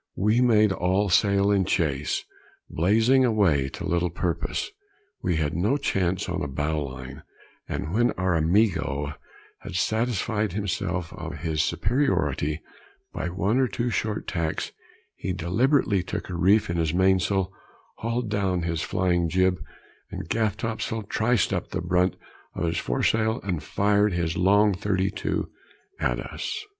We made all sail in chase, blazing away to little purpose; we had no chance on a bowline, and when our 'Amigo' had satisfied himself of his superiority by one or two short tacks, he deliberately took a reef in his mainsail, hauled down his flying jib and gaff topsail, triced up the bunt of his foresail, and fired his long thirty two at us.